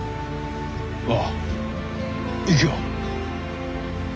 ああ行くよ。